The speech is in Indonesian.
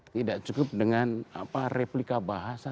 tidak cukup dengan replika bahasa